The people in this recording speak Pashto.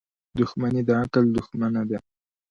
• دښمني د عقل دښمنه ده.